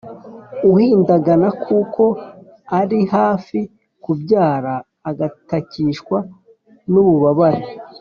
uhindagana kuko ari hafi kubyara, agatakishwa n’ububabare.